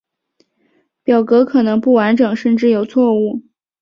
表格可能不完整甚至有错误。